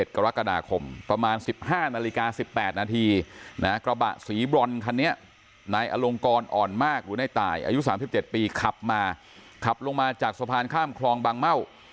กรกฎาคมประมาณ๑๕นาฬิกา๑๘นาทีกระบะสีบรอนคันนี้นายอลงกรอ่อนมากหรือในตายอายุ๓๗ปีขับมาขับลงมาจากสะพานข้ามคลองบางเม่า